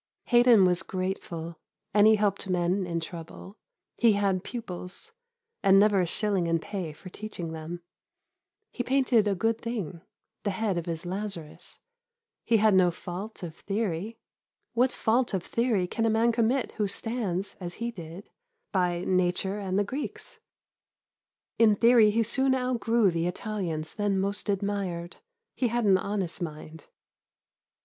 Haydon was grateful, and he helped men in trouble; he had pupils, and never a shilling in pay for teaching them. He painted a good thing the head of his Lazarus. He had no fault of theory: what fault of theory can a man commit who stands, as he did, by "Nature and the Greeks"? In theory he soon outgrew the Italians then most admired; he had an honest mind.